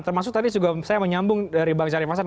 termasuk tadi saya menyambung dari bang sari masan